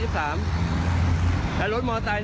ถ้ากลางเตกชัดแป๊บเข้ามานะ